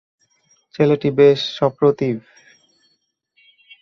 ছেলেটি বেশ সপ্রতিভ।